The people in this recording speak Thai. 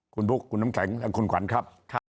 คุณบุ๊คคุณน้ำแข็งและคุณขวัญครับ